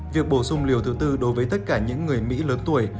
việc bổ sung liều thứ tư đối với tất cả những người mỹ